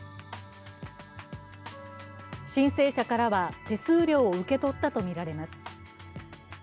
申請者からは手数料を受け取ったとみられます。